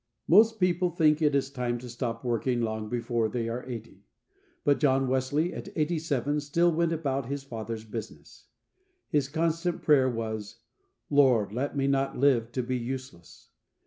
MOST people think it is time to stop working long before they are eighty, but John Wesley at eighty seven still went about his "Father's business." His constant prayer was, "Lord, let me not live to be useless."